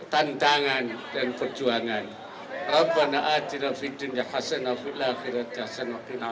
tantangan dan perjuangan rabbana a'adzimah fiddunya hasanah fi'l akhirati hasanah wa qina'a